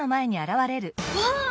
わあ！